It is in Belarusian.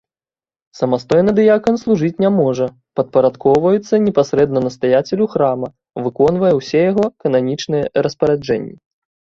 Самастойна дыякан служыць не можа, падпарадкоўваецца непасрэдна настаяцелю храма, выконвае ўсе яго кананічныя распараджэнні.